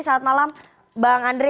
selamat malam bang andre